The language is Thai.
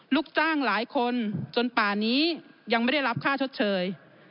ลูกจ้างหลายคนจนป่านี้ยังไม่ได้รับค่าชดเชย